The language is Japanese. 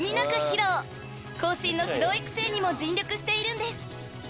［後進の指導育成にも尽力しているんです］